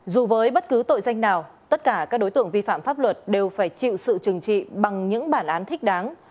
dù với bất cứ tội danh nào tất cả các đối tượng vi phạm pháp luật đều phải chịu sự trừng trị bằng những bản án thích đáng